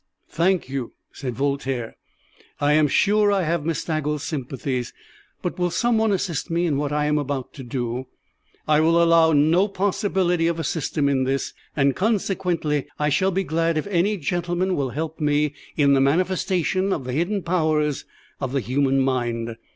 "Thank you," said Voltaire. "I am sure I have Miss Staggles' sympathies, but will some one assist me in what I am about to do? I will allow no possibility of a system in this, and consequently I shall be glad if any gentleman will help me in the manifestation of the hidden powers of the human mind.